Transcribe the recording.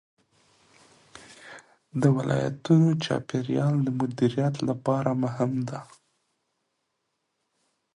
دا ولایتونه د چاپیریال د مدیریت لپاره مهم دي.